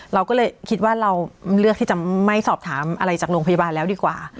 เราก็เลยคิดว่าเราเลือกที่จะไม่สอบถามอะไรจากโรงพยาบาลแล้วดีกว่า